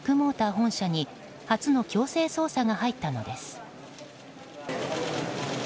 本社に初の強制捜査が入ったのです。